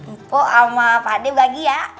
mpok sama pak deh bagi ya